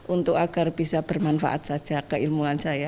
untuk agar bisa bermanfaat saja keilmuan saya